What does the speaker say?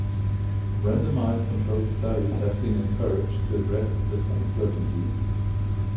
Randomized controlled studies have been encouraged to address this uncertainty.